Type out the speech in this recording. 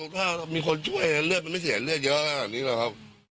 ถ้ามีคนช่วยเลือดมันไม่เสียเลือดเยอะขนาดนี้หรอกครับ